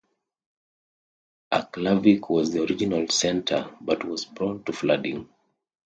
Aklavik was the regional centre but was prone to flooding.